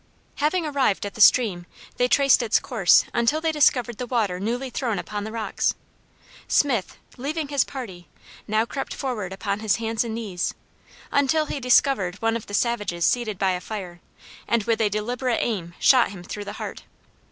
Having arrived at the stream, they traced its course until they discovered the water newly thrown upon the rocks. Smith, leaving his party, now crept forward upon his hands and knees, until he discovered one of the savages seated by a fire, and with a deliberate aim shot him through the heart.